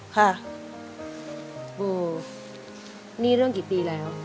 โบนี่เรื่องกี่ปีแล้ว